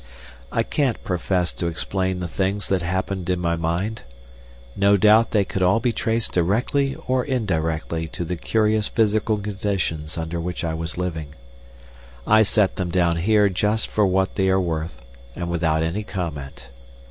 I can't profess to explain the things that happened in my mind. No doubt they could all be traced directly or indirectly to the curious physical conditions under which I was living. I set them down here just for what they are worth, and without any comment.